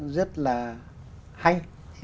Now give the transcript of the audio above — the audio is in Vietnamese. rất là hay